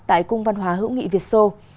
tại cung văn hóa hữu nghị việt sô